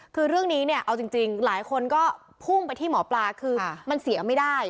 คือเรื่องนี้เนี่ยเอาจริงหลายคนก็พุ่งไปที่หมอปลาคือมันเสียไม่ได้